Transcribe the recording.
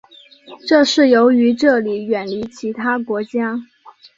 这是由于这里远离其他国家。